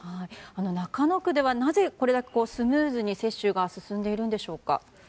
中野区ではなぜ、これだけスムーズに接種が進んでいるんでしょうか？